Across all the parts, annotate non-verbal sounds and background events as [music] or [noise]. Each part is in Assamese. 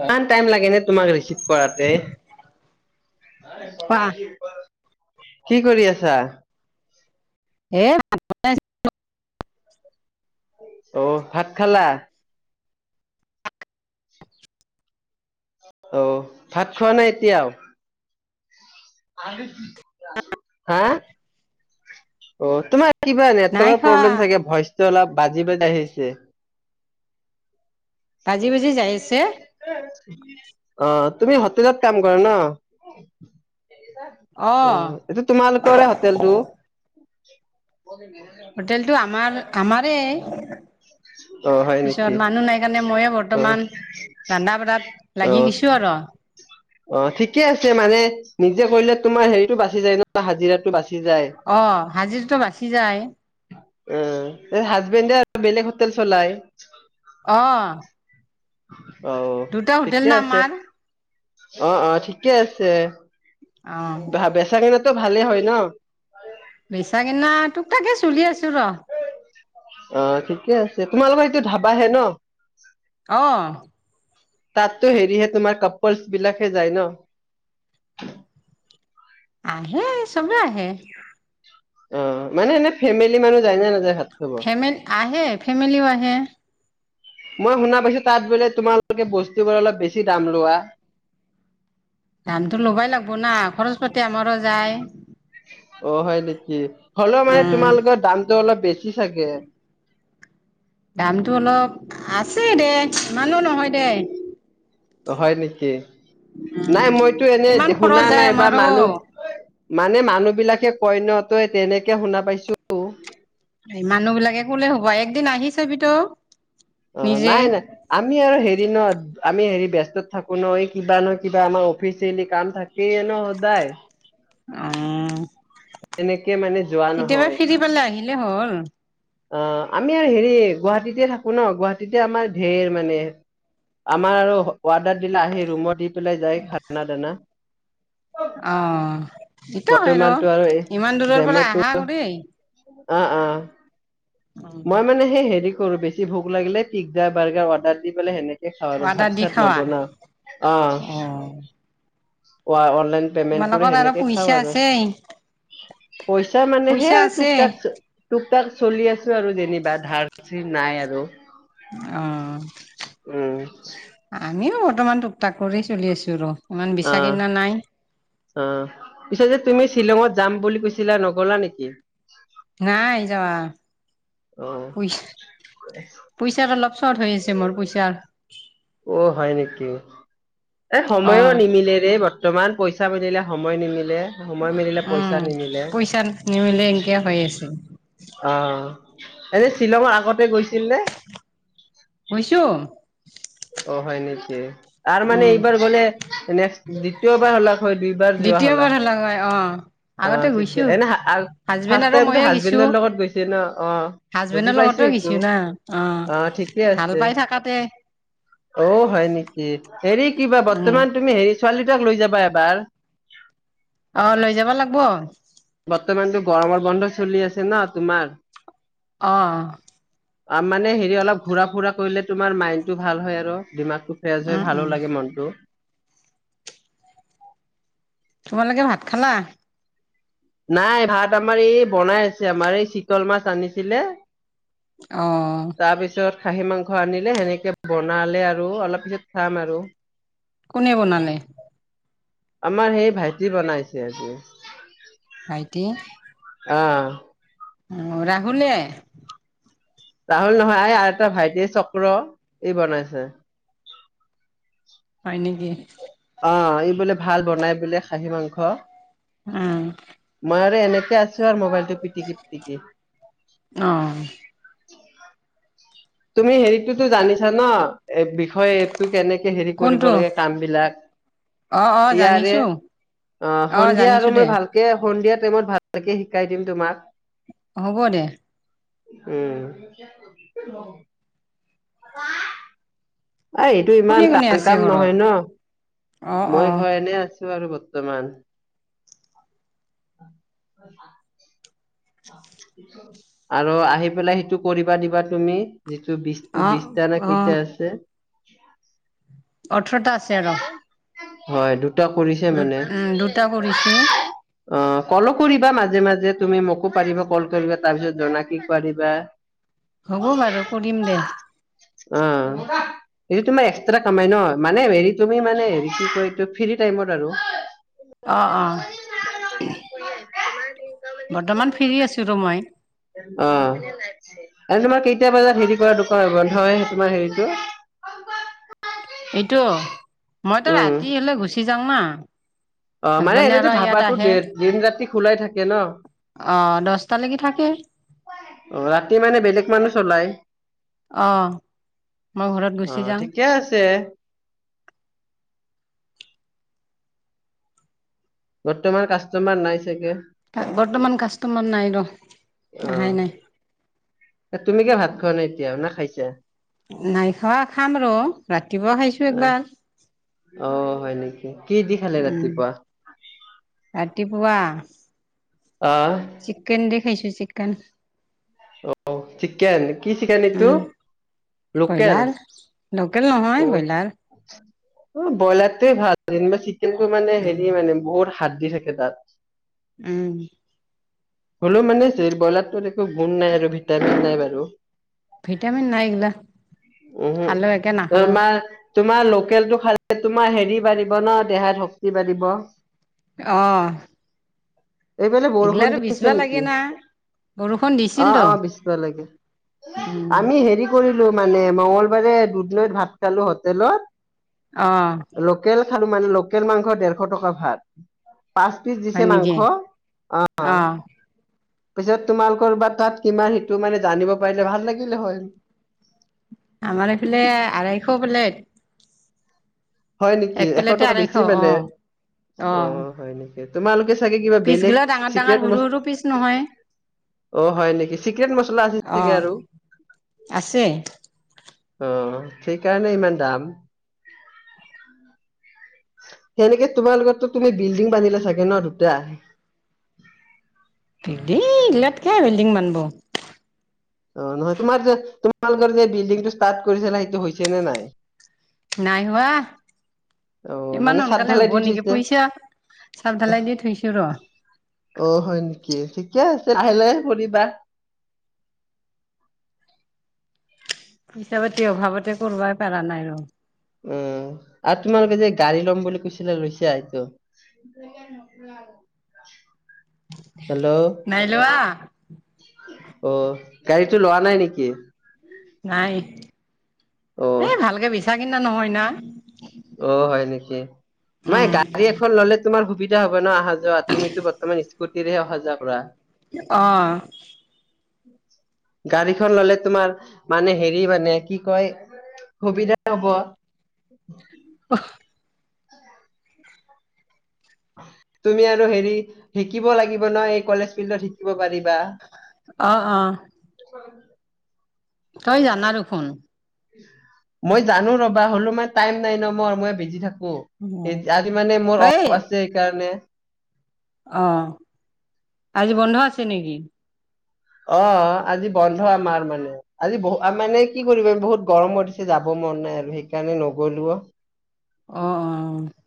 ইমান টাইম লাগে নে তোমাক ৰিচিভ কৰাতে? খোৱা [inaudible] কি কৰি আছা? এ [unintelligible] অ‌ ভাত খালা? অহ ভাত খোৱা নাই এতিয়াও? [unintelligible] হা? অ তোমাৰ কিবা নাই নেটৱৰ্কৰ খোৱা প্ৰব্লেম চাগে, ভইচটো অলপ বাজি বাজি আহিছে। ভাজি ভাজি যায় আছে। অঁ তুমি হোটেলত কাম কৰা ন? অ অঁ এইটো তোমালোকৰে হোটেলটো? হোটেলটো আমাৰ আমাৰে, অ হয় নেকি পিছত মানুহ অ নাই কা মানে মইয়ে বৰ্তমান ৰন্ধা বঢ়াত অ লাগি দিছোঁ আৰু। অ', ঠিকে আছে মানে নিজে কৰিলে তোমাৰ হেৰিটো বাচি যায় ন হাজিৰাতো বাচি যায় অ', হাজিৰতো বাচি যায়। অ', হাজবেণ্ডে আৰু বেলেগ হোটেল চলাই। অ'। অ', দুটা হোটেল ঠিকে না আছে। আমাৰ অ', অ', ঠিকে আছে। অ বেচা কেনাতো ভালে হয় ন? বেচা কিনা তোক তাকে চলি আছোঁ ৰ। অ', ঠিকে আছে তোমালোকৰ এইটো ধাবাহে ন? অ'। তাটতো হেৰিহে তোমাৰ কাপলচ বিলাকহে যায় ন? আহে, চবে আহে। অ', মানে এনে ফেমিলি মানুহ যায় নে নাযায়? ভাত খাব ফেম আহে, ফেমিলিও আহে। মই শুনা পাইছো তাত বোলে তোমালোকে বস্তু বোৰ অলপ বেছি দাম লোৱা। দামটো ল'বই লাগবিব না খৰচ পাতি আমাৰো যায়। অ', হয় নেকি হলেও মানে উম তোমালোকৰ দামটো অলপ বেছি চাগে। দামটো অলপ আছে দে ইমানো নহয় দে। হয় নেকি, নাই মইতো এনে ইমান খৰচ শুনা যায় নাই বা আমাৰো মানুহ মানে মানুহ বিলাকে কয় ন, ত তেনেকে শুনা পাইছো। এই মানুহ বিলাকে কোলে হ'ব একদিন আহি চাবি তো। অ', নাই নাই। আমি আৰু হেৰি ন, আমি হেৰি ব্যস্তত থাকো ন এই কিবা ন কিবা আমাৰ অফিচিয়েলি কাম থাকে। কি এনেও হদায় অ'। এনেক [unintelligible] মানে যোৱা কেতিয়াবা নহয় ফিৰি পালে আহিলে হ'ল। অ', আমি আৰু হেৰি গুৱাহাটীতে থাকো ন, গুৱাহাটীতে আমাৰ ধেৰ মানে আমাৰ আৰু ৱৰ্ডাৰ দিলে আহি ৰুমত দি পেলাই যায় খানা দানা। অ', দিত হয় ৰ বৰ্তমানতো আৰু এই ইমান দূৰৰ পৰা জমেটো আহা কৰি অ', অ'। মই মানে হেৰি কৰো বেছি ভোক লাগিলে পিজ্জা বাৰ্গাৰ অৰ্ডাৰ দি সেনেকে তেনেকে খাওঁ আৰু অৰ্ডাৰ ভাত দি চাত খাৱা নৱনাও অ'। [unintelligible] অনলাইন পেমেন্ট কৰি তোমালোকৰ আৰু সেনেকে খাওঁ পইচা আৰু, আছেই পইচা মানে সে পইচা আৰু আছে তোক তাক তোক তাক চলি আছো আৰু যেনিবা ধাৰ [unintelligible] নাই আৰু। অ', উম আমিও বৰ্তমান টোকটাক কৰি চলি আছোঁ ৰ। ইমান অ বেচা কিনা নাই। অ', পিছে যে তুমি শ্বিলঙত যাম বুলি কৈছিলা নগলা নেকি? নাই যোৱা অ পইচা পইচা অলপ চট হৈ আছে মোৰ পইচা। অ', হয় নেকি, এ অ সময়ো নিমিলেৰে বৰ্ত [unintelligible] পইচা মিলিলে সময় নিমিলে। সময় মিলিলে উম পইচা নিমিলে। পইচা নিমিলে এনকে হৈ আছে অ', এনে শ্বিলঙৰ আগতে গৈছিল নে? গৈছোঁ। অ', হয় নেকি! তাৰ মানে উম এইবাৰ গ'লে, নেক্স দ্বিতীয়বাৰ হ'ল হয়, দুইবাৰ যোৱা হ'লা হয়। আগতে অ', গৈছো ঠিকে, এনে হাজবেণ্ড ফাৰ্ষট আৰু টাইম ময়ে টো গেছো হাজবেণ্ডৰ লগত গৈছে ন'! অ'। বুজি হাজবেণ্ডৰ পাইছো লগতও সেইটো গিছো না অ', ঠিকে ভাল আছে পাই থাকাতে। অ', হয় নেকি! হেৰি কিবা, উম বৰ্তমান তুমি হেৰি ছোৱালী দুটাক লৈ যাবা এবাৰ। অ', লৈ যাব লাগিব। বৰ্তমানতো গৰমৰ বন্ধ চলি আছে ন, তোমাৰ। অ'। মানে হেৰি অলপ ঘূৰা-ফুৰা কৰিলে, তোমাৰ মাইণ্ডটো ভাল হয় আৰু দিমাগটো। ফ্ৰেছ হৈ উম উম ভালো লাগে মনটো। তোমালোকে ভাত খালা? নাই, ভাত আমাৰ এই বনাই আছে, আমাৰ এই চিতল মাছ আনিছিলে। অ'। তাৰ পিছত খাহী মাংস আনিলে, সেনেকে বনালে আৰু, অলপ পিছত খাম আৰু। কোনে বনালে? আমাৰ সেই ভাইটি বনাইছে। ভাইটিয়ে! আঁহ। অঁ, ৰাহুলে। ৰাহুল নহয়, এই আৰু এটা ভাইটি আছে চক্ৰ, ই বনাইছে। হয় নেকি। অঁ, ই বোলে ভাল বনাই বোলে খাহী মাংস। ঊম। মই আৰু এনেকে আছো আৰু মবাইলটো পিটিকি- পিটিকি। অঁ। তুমি হেৰিতোতো জানিছা নহ। হয়, এপ টো কেনেকে হেৰি কৰিব কোনটো লাগে কাম বিলাগ। অ অ ইয়াৰে জানিছো অ সন্ধিয়া জানিছো আৰু দে মই ভাল কে সন্ধিয়া টাইমত ভালকে শিকাই দিম তোমাক। হ'ব দে। উম। [unintelligible] আ, এইটো ইমান কোনে কোনে টান আছে কাম ঘৰত নহয় ন, অ অ মই ঘৰতে এনে আছো আৰু বৰ্তমান। আৰু আহি পেলাই সেইটো কৰিবা দিবা তুমি। যিটো বিছটা অ বিছটা নে অ কেইটা আছে। অঠৰটা আছে আৰুহ। হয়, দুটা কৰিছে মানে। উম দুটা কৰিছো অঁ, কলও কৰিবা মাজে- মাজে তুমি মোক। কব পাৰিবা কল কৰিলে, তাৰ পিছত জনাই থাকিব দিবা। হ'ব বাৰু, কৰিম দে। অহ। এইটো তোমাৰ এক্সট্ৰা কামাই ন, মানে হেৰি তুমি মানে হেৰি কি কয় আৰু ফ্ৰী টাইমত আৰু। অঁ, অঁ। [unintelligible] বৰ্তমান ফ্ৰী আছোঁ ৰ মই। অঁ আৰু তোমাৰ কেইটা বজাত হেৰি কৰা দোকান বন্ধ হয় তোমাৰ হেৰিটো এইটো মই ত উম ৰাতি হলে গুচি যাং না। অঁ মানে হাজবেণ্ডে এনেতো আৰু ইয়াত ধাবাটো আহে দে দিন-ৰাতি খোলাই থাকে ন। অ দহটালৈকে থাকে অঁ ৰাতি মানে বেলেগ মানুহ চলাই। অ মই ঘৰত গুচি অঁ যাওঁ ঠিকে আছে। বৰ্তমান কাষ্টমাৰ নাই চাগে। বৰ্তমান কাষ্টমাৰ নাই ৰহ। অঁ তুমি কিয় ভাত খোৱা নাই এতিয়া না খাইছা। নাই খোৱা খাম ৰ ৰাতিপুৱা খাইছো একবাৰ। অঁ হয় নিকি কি দি খালে উম ৰাতিপুৱা। ৰাতিপুৱা। আঁ চিকেন দি খাইছো চিকেন। অঁ চিকেন কি চিকেন এইটো। উম লোকেল ব্ৰইলাৰ লোকেল নহয় ব্ৰইলাৰ। অঁ ব্ৰইলাৰটোৱে ভাল যেনিবা চিকেন টো মানে উম হেৰি মানে বহুত হাতদি থাকে তাত। উম। হলেওমানে ব্ৰইলাৰটো একো গুণ নাই আৰু ভিটামিন নাই বাৰু ভিটামিন নাই এইগিলা উ হু খালেও একে নাখালেও তোমাৰ তোমাৰ লোকেলটো খালে তোমাৰ হেৰি বাঢ়িব ন দেহাত শক্তি বাঢ়িব অ এইফালে বৰষুণ এইগিলাৰো দি বিচবা আছে লাগে নেকি না বৰষুণ দি অ অ বিচবা লাগে উম আমি হেৰি পৰিলো মানে মঙ্গলবাৰে দুধনৈত ভাত খালো হোটেলত অ লোকেল খালো মানে লোকেল মাংস দেৰশ টকা ভাত পাঁচ পিছ হয় দিছে মাংস নেকি অ পিছত তোমাৰ কৰবাত তাত কিমান সেইটো মানে জানিব পাৰিলে ভাল লাগিলে হ'ল আমাৰ এইফালে আঢ়ৈশ প্লেট হয় নেকি এক এশ প্লেটে টকা আঢ়ৈশ বেছি অ মানে অ হয় নেক তোমালোকে চাগে কিবা বেলেগ পিচগিলা ডাঙৰ ডাঙৰ চিক্ৰেট সৰু সৰু পিচ নহয় অ হয় নেকি চিক্ৰেট মছলা আছে অ চাগে আৰু আছে অ সেইকাৰণে ইমান দাম সেনেকে তোমাৰ লগতো তুমি বিলডিং বান্ধিলা চাগে ন দুটা বিল্ডিং ইগ্লিয়াত কে বিল্ডিং বান্ধব অ নহয় তোমাৰ যে তোমালোকৰ যে বিল্ডিং টো ষ্টাৰ্ট কৰিছিলা সেইটো হৈছে নে নাই নাই হোৱা অ ইমান মানে চাদ সোনকালে ঢালাই হ'ব দি নিকি থৈছে পইচা চদ ধালাই দি থৈছো ৰ অ হয় নিকি ঠিকে আছে লাহে লাহে কৰিবা পইচা পাতি অভাৱতে কৰবাই পাৰা নাই ৰ উম, আৰু তোমালোকে যে গাড়ী ল'ম বুলি কৈছিলে লৈছা এইটো। হেল্ল', নাই লোৱা অ, গাড়ীতো লোৱা নাই নেকি? নাই অ এই ভালকে বিছা কিনা নহয় না। অ, হয় নেকি মানে উম গাড়ী এখন ললে তোমাৰ সুবিধা হ'ব ন আহা যোৱাত তুমিতো বৰ্তমান স্কুটিৰেহে অহা যোৱা কৰা। অ', গাড়ীখন ললে তোমাৰ মানে হেৰি মানে কি কয় সুবিধা হব। হয়। অ', তুমি আৰু হেৰি শিকিব লাগিব ন এই কলেজ ফিল্ডত শিকিব পাৰিবা। অ', অ', হয়। তই জানা দেখোন মই জানো ৰবা হলে মই টাইম নাই ন মই-মই বিজি থাকো। আজি মানে মোৰ তই অফ আছে সেইকাৰণে অ, আজি বন্ধ আছে নেকি? অ, আজি বন্ধ আমাৰ মানে আজি বহু মানে কি কৰিবা বহুত গৰম দিছে যাব মন নাই আৰু সেইকাৰণে নগলোও। অ', অ', অ',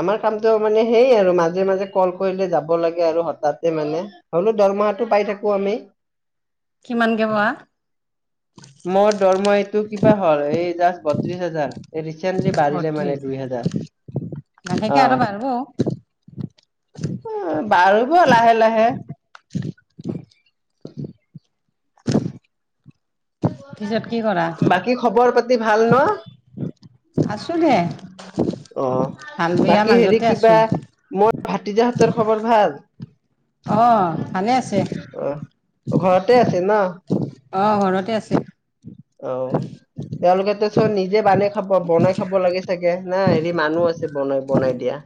আমাৰ কামটো মানে সেইয় আৰু মাজে - মাজে কল কৰিলে যাব লাগে আৰু হঠাতে মানে। হলো দৰমহাটো পাই থাকো আমি। কিমানকে বোৱা মোৰ দৰমহা এইটো কিবা হ'ল এই জাষ্ট বত্ৰিশ হাজাৰ। ৰিচেণ্টলি বাঢ়িলে মানে দুই হাজাৰ। অ লাহেকে আৰু বাঢ়িব। উম, বাৰব লাহে-লাহে। [inaudible] পিছত কি কৰা বাকী খবৰ পাতি ভাল ন? আছো দে। অ, ভাল বেয়া বাকী হেৰি মাজতে কিবা আছো মই ভাতিজাহঁতৰ খবৰ ভাল। অ, ভালে আছে। অ ঘৰতে আছে ন? অ, ঘৰতে আছে। অ', তেওঁলোকে টোচবে নিজে বানাই খাব বনাই খাব লাগে ছাগে হেৰি মানুহ আছে বনাই বনাই দিয়া।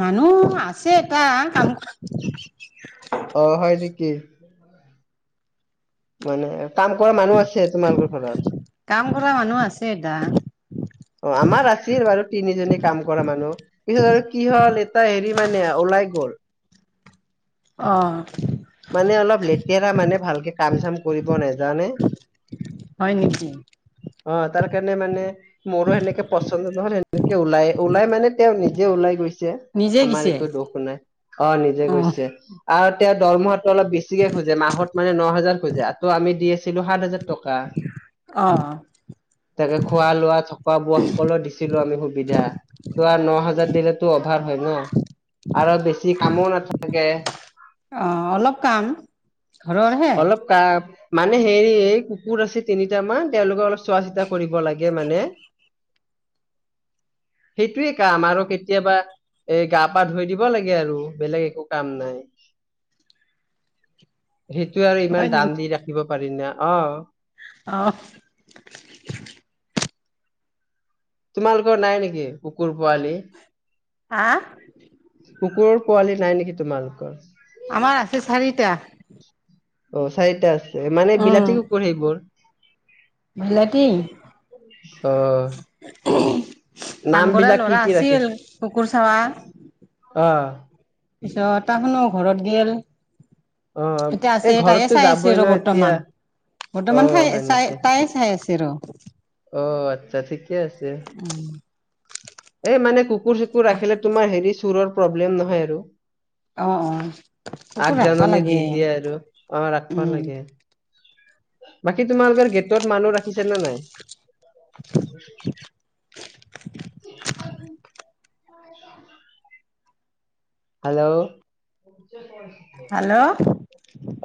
মানুহ আছে এটা কাম কৰা অ, হয় নেকি? [inaudible] হয়নে কাম কৰা মানুহ আছে তোমালোকৰ ঘৰত। কাম কৰা মানুহ আছে এটা অ, আমাৰ আছিল বাৰু তিনিজনী কাম কৰা মানুহ। পিছত আৰু কি হল এটা হেৰি মানে ওলাই গ'ল। অ', মানে অলপ লেতেৰা মানে ভালকে কাম চাম কৰিব নেজানে। হয় নেকি অঁ তাৰ কাৰণে মানে মোৰো সেনেকে পছন্দ নহল, সেনেকে ওলাই ওলাই মানে তেওঁ নিজে ওলাই গৈছে। ছে নিজে আমাৰ গিছে একো দুখ নাই অঁ নিজে অ গৈছে, আৰু তেওঁৰ দৰমহাটো অলপ বে ছিকে খোজে মাহত মানে ন হোজাৰ খোজে, আকৌ আমি দি আছিলো সাত হাজাৰ টকা। অঁ। তাকে খোৱা লোৱা থকা বোৱা সকলো দিছিলো আমি সুবিধা, ত আৰু ন হাজাৰ দিলে টো অভাৰ হয় ন আৰু বেছি কামো নাথাকে। অঁ অলপ কাম ঘৰৰহে। পা মানে হেৰি এই কুকুৰ আছে তিনিটা মান তেওঁলোকৰ অলপ চোৱা চিতা কৰিব লাগে মানে। সেইটোৱে কাম আৰু কেতিয়াবা এই গা পা ধুই দিব লাগে আৰু, বেলেগ একো কাম নাই। সেইটো আৰু হয় ইমান দাম দি ৰাখিব পাৰি না অঁ। অঁ। তোমালোকৰ নাই নেকি কুকুৰ পোৱালি? হা কুকুৰৰ পোৱালি নাই নেকি তোমালোকৰ? আমাৰ আছে চাৰিটা। অঁ চাৰিটা আছে, মানে উম বিলাতি কুকুৰ সেইবোৰ। বিলাতী অ। কাম নাম কৰা বিলাক কি ল'ৰা কি ৰাখি আছিল কুকুৰ চাৱা অঁ পিছত টাউনৰ ঘৰত গেল। অ এতিয়া আছে এই তাইে ঘৰততো চাই আছে যাবই আৰু ন এতিয়া বৰ্তমান। অ বৰ্তমান ঠাই হয় চাই নেকি তাই চাই আছে ৰ। অ আচ্ছা ঠিকে আছে। উম। এই মানে কুকুৰ চুকুৰ ৰাখিলে তোমাৰ হেৰি চোৰৰ প্ৰব্লেম নহয় আৰু। অ অ কুকুৰ ৰাখবা আগজাননী লাগে দি দিয়ে আৰু অঁ ৰাখব উম লাগে। বাকী তোমালোকৰ গেটত মানুহ ৰাখিছে নে নাই? [unintelligible] হেল্ল। হেল্ল।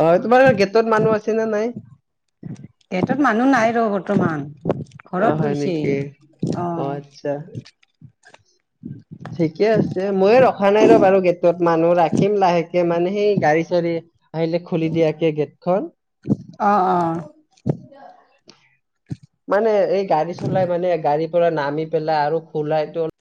অ তোমাৰ গেটত মানুহ আছে নে নাই? গেটত মানুহ নাই ৰ বৰ্তমান, অ ঘৰত হয় নেকি? গৈছে অঁ। [unintelligible] ঠিকে আছে মইয়ো ৰখা নাই ৰ বাৰু গেটত মানুহ ৰাখিম লাহেকে মানে সেই গাড়ী চাড়ী আহিলে খুলি দিয়াকে গেটখন। অ অঁ। [inaudible] মানে এই গাড়ী চলাই মানে গাড়ীৰ পৰা নামি পেলাই আৰু খোলা এইটো